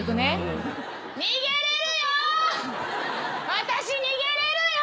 私逃げれるよ。